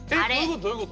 どういうこと？